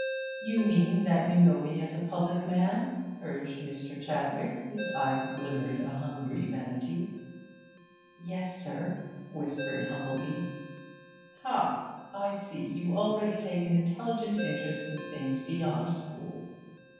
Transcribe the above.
'You mean that you know me as a public man?' urged Mr. Chadwick, whose eyes glimmered a hungry vanity. 'Yes, sir,' whispered Humplebee. 'Ha! I see you already take an intelligent interest in things beyond school.